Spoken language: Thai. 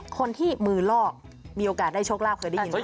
คนที่มือลอกมีโอกาสได้โชคลาภเคยได้ยินไหม